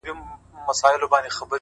• درد زغمي؛